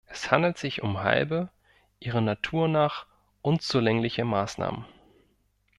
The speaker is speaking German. Es handelt sich um halbe, ihrer Natur nach unzulängliche Maßnahmen.